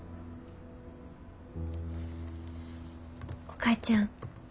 お母ちゃん。